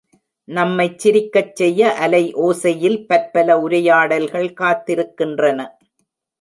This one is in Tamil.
நம்மைச் சிரிக்கச்செய்ய அலைஓசை யில் பற்பல உரையாடல்கள் காத்திருக்கின்றன!